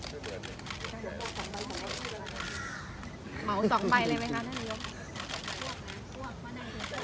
หอคอมที่บริสุทธิ์มีสองใบเลยนะครับน่านิยม